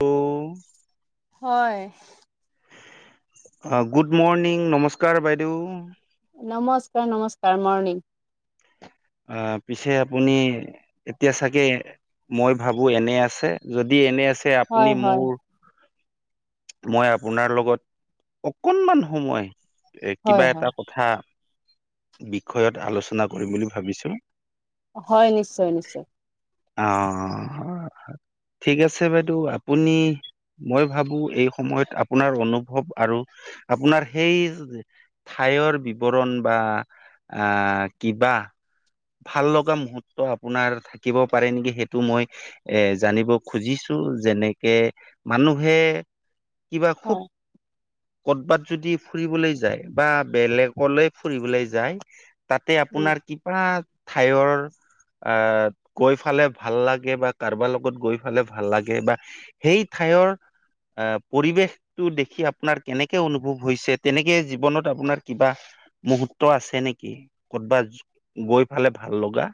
Hello হয়। অ good morning নমস্কাৰ বাইদেউ। নমস্কাৰ নমস্কাৰ মৰ্ণিং। অ পিছে আপুনি এতিয়া চাগে মই ভাবো এনে আছে যদি এনে আছে আপুনি হয় হয় মোৰ মই আপোনাৰ লগত অকনমান সময় এ হয় কিবা হয় এটা কথা বিষয়ত আলোচনা কৰিম বুলি ভাবিছোঁ। হয় নিশ্চয় নিশ্চয়। অ। ঠিক আছে বাইদেউ আপুনি মই ভাবো এই। সময়ত আপোনাৰ অনুভৱ আৰু আপোনাৰ সেই ঠাইৰ বিৱৰণ বা আহ কিবা ভাল লগা মুহৰ্ত আপোনাৰ থাকিব পাৰে নেকি সেইটো মই এ জানিব খুজিছো। যেনেকে মানুহে কিবা খুব হয় কৰ'বাত যদি ফুৰিবলৈ যায় বা বেলেগলৈ ফুৰিবলৈ যায় তাতে উম। আপোনাৰ কিবা ঠাইৰ আহ কৈ ফালে ভাল লাগে বা কাৰোবাৰ লগত গৈ ফালে ভাল লাগে বা সেই ঠাই- ভাইয়ৰ আহ পৰিৱেশতটো দেখি আপোনাৰ কেনেকে অনুভৱ হৈছে তেনেকে জীৱনত আপোনাৰ কিবা মুহূৰ্ত আছে নেকি ক'তবাতজ গৈ। খালে ভাল লগা।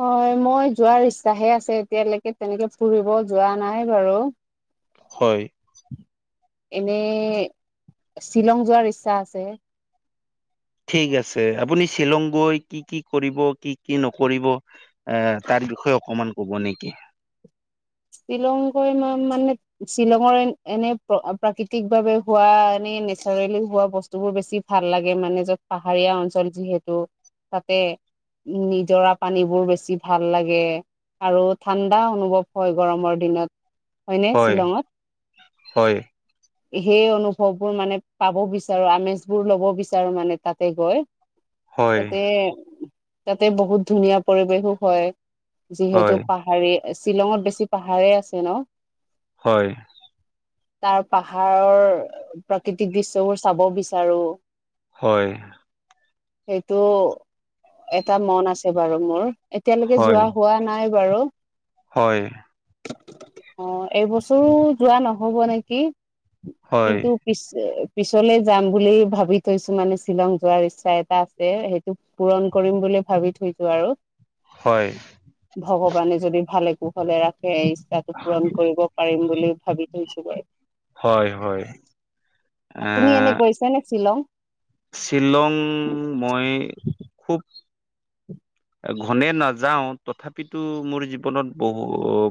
হয় মই যোৱাৰ ইচ্ছাহে আছে এতিয়ালৈকে তেনেকে ফুৰিব যোৱা নাই বাৰু। হয়। এনে শ্বিলং যোৱাৰ ইচ্ছা আছে। ঠিক আছে আপুনি শ্বিলং গৈ কি কি কৰিব কি কি নকৰিব এ তাক বিষয়ে অকমান কব নেকি? শ্বিলং গৈ মানে শ্বিলঙৰ এনে প্ৰাকৃতিক ভাৱে হোৱা এনে নেচাৰেলি হোৱা বস্তু বোৰ বেছি ভাল লাগে মানে য'ত পাহাৰীয়া অঞ্চল যিহেতু তাতে নিজৰা পানীবোৰ বেছি ভাল লাগে আৰু ঠাণ্ডা অনুভৱ হয় গৰমৰ দিনত হয়নে হয় শ্বিলঙত। হয় সেই অনুভৱবোৰ মানে পাব বিচাৰো আমেজ বোৰ ল'ব বিচাৰো মানে তাতে গৈ। হয় তাতে তাতে বহুত ধুনীয়া পৰিৱেশো হয়। হয় যিহেতু পাহাৰী শ্বিলঙত বেছি পাহাৰেই আছে ন। হয়। তাৰ পাহাৰৰ প্ৰাকৃতিক দৃশ্যবোৰ চাব বিচাৰো। হয়। সেইটো এটা মন আছে বাৰু মোৰ এতিয়ালৈকে হয় যোৱা হোৱা নাই বাৰু। হয়। অ এইবছৰো যোৱা নহ'ব নেকি? হয় কিন্তু পি পিছলে যাম বুলি ভাবি থৈছো মানে শ্বিলং যোৱাৰ ইচ্ছা এটা আছে সেইটো পূৰণ কৰিম বুলি ভাবি থৈছো আৰু হয় ভগৱানে যদি ভালে কুশলে ৰাখে সেই ইচ্ছাটো পূৰণ কৰিব পাৰিম বুলি ভাবি থৈছোঁ ম। হয় হয়। এ আপুনি এনে গৈছে নে শ্বিলং? শ্বিলং মই খুব ঘনে নাযাও তথাপিতো মোৰ জীৱনত বহু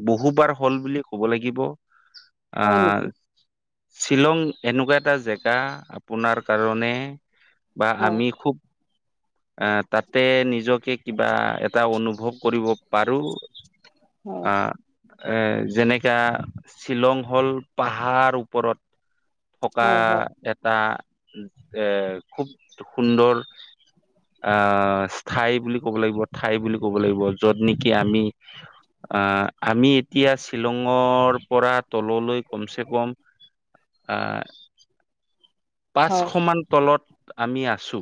বহুবাৰ হল বুলি ক'ব লাগিব আ হয় নেকি শ্বিলং এনেকুৱা এটা জেগা আপোনাৰ কাৰণে বা হয় আমি খুব এ তাতে নিজকে কিবা এটা অনুভৱ কৰিব পাৰো হয় আহ এ যেনেকা শ্বিলং হ'ল পাহাৰ ওপৰত থকা হয় হয় এটা এ খুব সুন্দৰ আহ স্থায় বুলি ক'ব লাগিব ঠাই বুলি ক'ব লাগিব যত নেকি আমি আহ আমি এতিয়া শ্বিলঙৰ পৰা তললৈ কমচে কম আহ পাঁচশ হয় মান তলত আমি আছো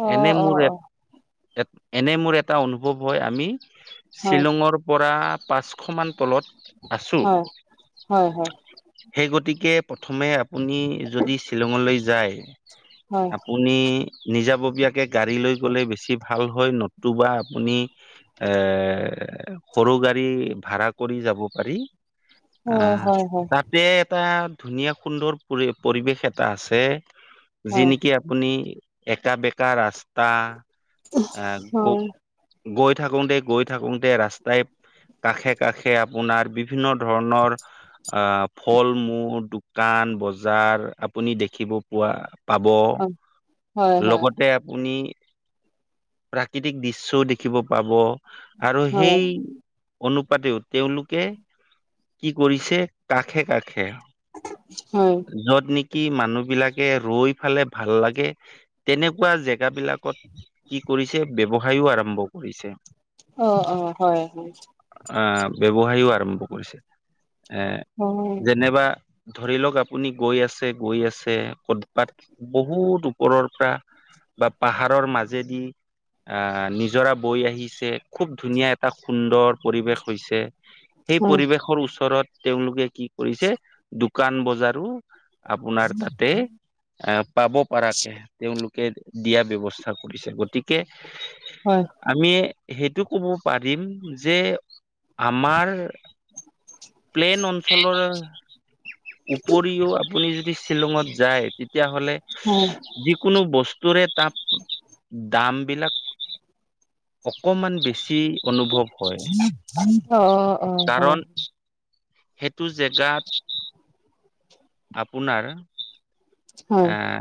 অ এনে অ মোৰ অ এ এনে মোৰ এটা অনুভৱ হয় আমি হয় শ্বিলঙৰ পৰা পাঁচশমান তলত আছো হয় হয় হয়। সেই গতিকে প্ৰথমে আপুনি যদি শ্বিলঙলৈ যায় হয় আপুনি নিজাববীয়াকে গাড়ী লৈ গলে বেছি ভাল হয় নতুবা আপুনি এ এ সৰু গাড়ী ভাৰা কৰি যাব পাৰি অ আহ হয় হয় তাতে এটা ধুনীয়া সুন্দৰ পৰি পৰিৱেশ এটা আছে যি হয় নেকি আপুনি একা বেকা ৰাস্তা আহ গ হয়। গৈ থাকোতে গৈ থাকোতে ৰাস্তাই কাষে কাষে আপোনাৰ বিভিন্ন ধৰণৰ আহ ফল মূল দোকান বজাৰ আপুনি দেখিব পোৱা পাব হয় হয় লগতে আপুনি প্ৰাকৃতিক দৃশ্যও দেখিব পাব আৰু হয় সেই অনু পাতেও তেওঁলোকে কি কৰিছে কাষে কাষে হয়। কি মানুহ বিলাকে ৰৈ ফালে ভাল লাগে তেনেকুৱা জেগ বিলাকত কি কৰিছে ব্যৱসায়ও আৰম্ভ কৰিছে। অ অ হয় হয়। আহ ব্যৱসায়ও আৰম্ভ কৰিছে। এ অ হয় যেনেবা ধৰি লওক আ আপুনি গৈ আছে গৈ আছে ক'বাত বহুত ওপৰৰ পৰা বা পাহাৰৰ মাজেদি আহ নিজৰা বৈ আহিছে খুব ধুনীয়া এটা সুন্দৰ পৰিৱেশ হৈছে, সেই হয় পৰিৱেশৰ ওচৰত তেওঁলোকে কি কৰিছে দোকান বজাৰো আপোনাৰ তাতে আহ পাব পৰাকে তেওঁলো কে দিয়া ব্যৱস্থা কৰিছে গতিকে হয় আমি সেইটো ক'ব পাৰিম যে আমাৰ [unintelligible] প্লেন অঞ্চলৰ উপৰিও আপুনি যদি শ্বিলঙত যায় তেতিয়াহলে যিকোনো বস্তুৰে তাত দামবিলাক অকমান বেছি অনুভৱ হয় অ অ হয় কাৰণ সেইটো জেগাত আপোনাৰ হয় আহ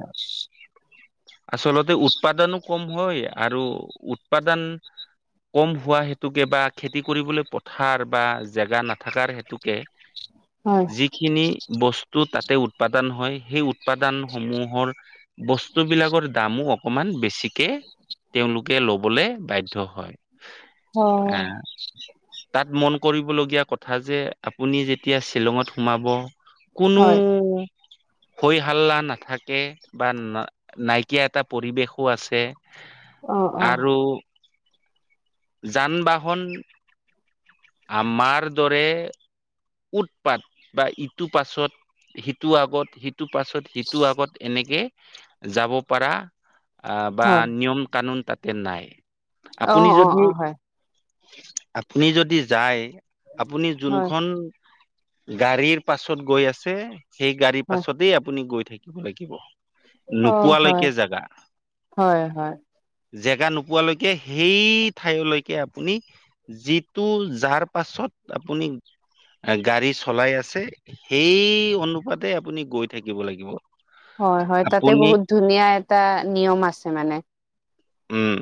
আচলতে উৎপাদনো কম হয় আৰু উৎপাদন কম হোৱা হেতুকে বা খেতি কৰিবলৈ পথাৰ বা জেগা নাথাককাৰ হেতুকে হয় যিখিনি বস্তু তাত উৎপাদন হয় সেই উৎপাদন সমূহৰ বস্তু বস্তুবিলাকৰ দামো অকমান বেছিকে তেওঁলোকে লবলৈ বাধ্য হয় অ আহ তাত মন কৰিবলগীয়া কথা যে আপুনি যেতিয়া শ্বিলঙত সোমাব কোনো হয় হৈ হাল্লা নাথাকে বা ন নাইকিয়া এটা পৰিৱেশো আছে অ অ আৰু যান বাহন আমাৰ দৰে উৎপাত বা ইটো পাছত সিটো আগত সিটোৰ পাছত সিটো আগত এনেকে যাব পাৰা আহ বা হয় নিয়ম কানুন তাতে নাই অ আপুনি অ যদি অ হয় আপুনি যদি যায় আপুনি হয় যোনখন গাড়ীৰ পাছত গৈ আছে সেই গাড়ীৰ হয় পাছতেই আপুনি গৈ থাকিব লাগিব। অ হয় নোপোৱালৈকে জাগা হয় হয় জেগা নোপোৱালৈকে সেই ঠাইলৈকে আপুনি যিটো যাৰ পাছত আপুনি গাড়ী চলাই আছে সেই অনুপাতে আপুনি গৈ থাকিব লাগিব হয় হয় তাতে আপুনি বহুত ধুনীয়া এটা নিয়ম আছে মানে উম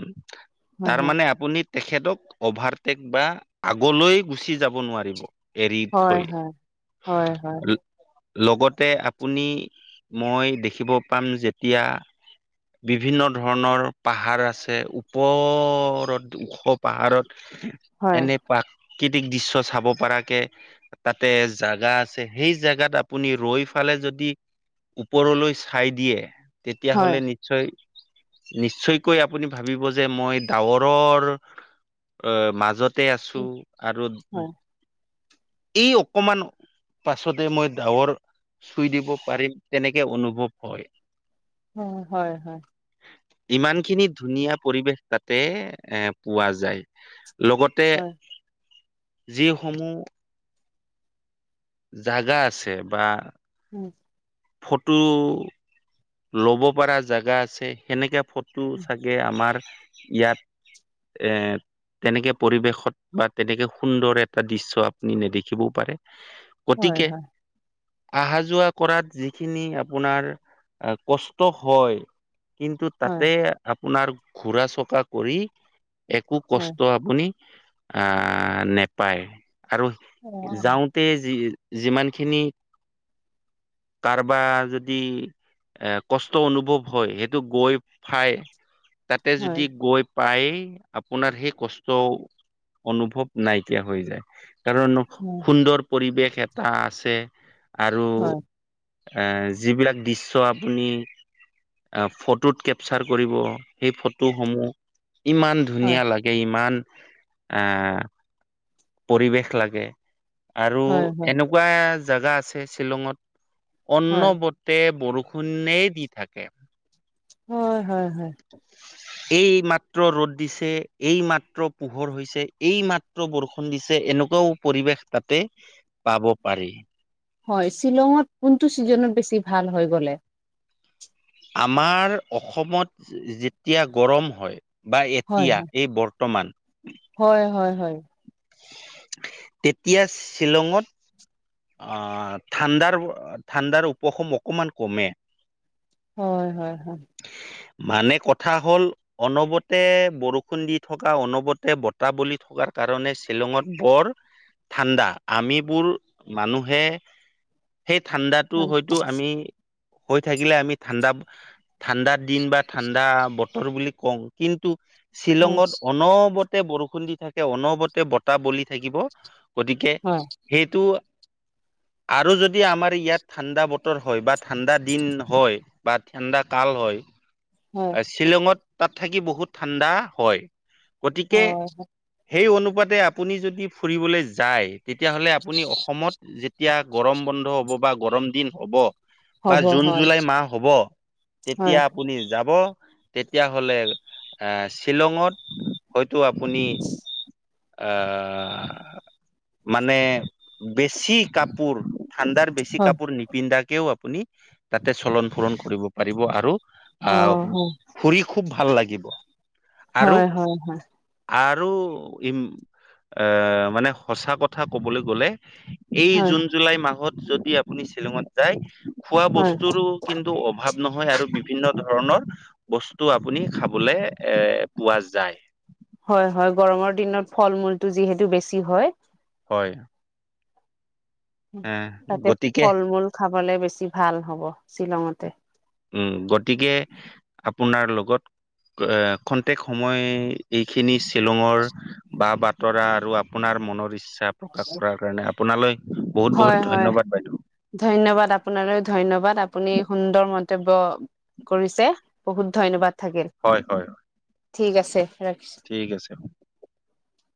হয় তাৰ মানে আপুনি তেখেতক অভাৰটেক বা আগলৈ গুচি যাব নোৱাৰিব এৰি হয় থই হয় হয় হয় লগতে আপুনি মই দেখিব পাম যেতিয়া বিভিন্ন ধৰণৰ পাহাৰ আছে ওপৰত ওখ পাহাৰত হয় এনে পাক প্ৰাকৃতিক দৃশ্য চাব পৰাকে তাতে জেগা আছে সেই জেগাত আপুনি ৰৈ ফালে যদি ওপৰলৈ চাই দিয়ে হয় তেতিয়াহলে নিশ্চয় নি নিশ্চয়কৈ আপুনি ভাবিব যে মই ডাৱৰৰ মাজত তে আছো আৰু হয় এই অকমান পাছতে মই ডাৱৰ চুই দিব পাৰিম তেনেকে অনুভৱ হয়। হয় হয় ইমান খিনি ধুনীয়া পৰিৱেশ তাতে এ পোৱা যায় লগতে হয় যিসমূহ জাগা আছে বা উম ফটো লব পৰা জোগা আছে সেনেকে ফটো উম, চাগে আমাৰ ইয়াত এ তেনেকে পৰিৱেশত বা তেনেকে সুন্দৰ এটা দৃশ্য আপুনি নেদেখিবও পাৰে হয় গতিকে হয় অহা যোৱা কৰাত যিখিনি আপোনাৰ কষ্ট হয় কিন্তু হয় তাতে আপোনাৰ ঘোৰা চকা কৰি একো হয়, কষ্ট আপুনি আহ নোপায় আৰু অ যাওঁতে যি যিমান খিনি কাৰবা যদি এ কষ্ট অনুভৱ হয় সেইটো গৈ খাই তাতে হয় যদি গৈ পায়ে আপোনাৰ সেই কষ্ট অনুভৱ নাইকিয়া হৈ যায়। কাৰণ হয় সুন্দৰ পৰিৱেশ এটা আছে আৰু। হয় এ যিবিলাক দিশ চ' আপুনি ফটোত কেপচাৰ কৰিব সেই ফটোসমূহ ইমান ধুনীয়া হয় লাগে ইমান আহ পৰিৱেশ লাগে আৰু হয় হয় এনেকুৱা জোগা আছে শ্বিলঙত হয় অন্ন বটে বৰষুণেই দি থাকে। হয় হয় হয়। হয় এইমাত্ৰ ৰ'দ দিছে এইমাত্ৰ পোহৰ হৈছে এইমাত্ৰ বৰষুণ দিছে এনেকুৱা পৰিৱেশ তাতে পাব পাৰি হয় শ্বিলঙত কোনটো ছিজনত বেছি ভাল হৈ গ'লে। আমাৰ অসমত যেতিয়া গৰম হয়, বা হয় এতিয়া এই বৰ বৰ্তমান হয় হয় হয়। তেতিয়া শ্বিলঙত আহ ঠাণ্ডাৰ -ঠাণ্ডাৰ উপশম অকমান কমে হয় হয় হয়। মানে কথা হ'ল অনবতে বৰষুণ দি থকা অনবতে বতাহ বলি থকা কাৰণে শ্বিলঙত বৰ ঠাণ্ডা আমিবোৰ মানুহে সেই ঠাণ্ডাটো হয় হয়তো আমি হৈ থাকিলে আমি ঠাণ্ডা ঠাণ্ডা দিন বা ঠাণ্ডা বতৰ বুলি কওঁ কিন্তু হয় শ্বিলঙত অনবত বৰষুণ দি থাকে অনবতে বতাহ বলি থাকিব গতিকে হয় সেইটো আৰু যদি আমাৰ ইয়াত ঠাণ্ডা বতৰ হয় বা ঠাণ্ডা দিন হয়। বা ঠাণ্ডা কাল হয় হয় শ্বিলঙত তাত থাকি বহুত ঠাণ্ডা হয় গতিকে হয় সেই অনু আপুনি যদি ফুৰিবলৈ যায় তেতিয়াহ'লে আপুনি অসমত এতিয়া গৰম বন্ধ হব বা গৰম দিন হব। বা হ'ব জুন হয় জুলাই মাহ হ'ব হয় তেতিয়া আপুনি তেতিয়াাহলে এ শ্বিলঙত হয়তো আপুনি আহ মানে বেছি কাপোৰ ঠাণ্ডাৰ বেছি হয় কাপোৰ নিপিন্ধাকেও আপুনি তাতে চলন ফুৰন কৰিব পাৰিব আৰু। আহ হ ফুৰি খুব ভাল লাগিব আৰু হয় হয় হয়। আৰু ই এ মানে সঁচা কথা ক'বলৈ গলে এই হয় জুন জুলাই মাহত যদি আপুনি শ্বিলঙত যায় খোৱা হয় হয় বস্তুৰো কিন্তু অভাৱ নহয় আৰু বিভিন্ন ধৰণৰ বস্তু আপুনি খাবলে এ পোৱা যায়। হয় হয় গৰমৰ দিনত ফল মূলটো যিহেতু বেছি হয়। হয়। এ তাতে গতিকে ফল মূল খাবলে বেছি ভাল হব শ্বিলঙতে উম গতিকে আপোনাৰ লগত এ খন্তেক সময় এইখিনি শ্বিলঙৰ বা বাট তৰা আৰু আপোনাৰ মনৰ ইচ্ছা প্ৰকাশ কৰাৰ কাৰণে আপোনালৈ বহুত বহুত হয় হয় ধন্যবাদ বাইদেউ ধন্যবাদ আপোনালৈ ধ্যবাদ আপুনি সুন্দৰ মত কৰ্তব্য কৰিছে বহুত ধন্যবাদ থাকিল হয় হয় হয় ঠিক আছে ৰাখিছো ঠিক আছে